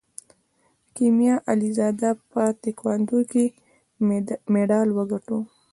کیمیا علیزاده په تکواندو کې مډال وګاټه.